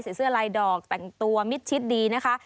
เสื้อลายดอกแต่งตัวมิดชิดดีนะคะ